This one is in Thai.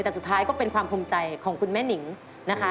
แต่สุดท้ายก็เป็นความภูมิใจของคุณแม่นิงนะคะ